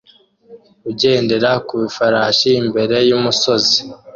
Ugendera ku ifarashi imbere yumusozi